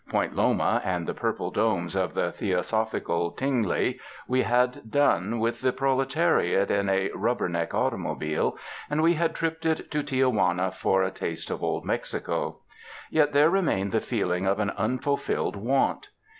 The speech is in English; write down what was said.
Point Loma and the purple domes of the theosophical Tingley, we had done with the prole tariat in a ''rubber neck" automobile, and we had tripped it to Tia Juana for a taste of Old Mexico. Yet there remained the feeling of an unfulfilled want.